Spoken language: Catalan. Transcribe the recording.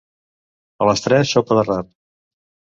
A les tres, sopa de rap.